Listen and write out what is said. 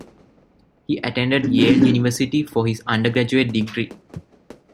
He attended Yale University for his undergraduate degree.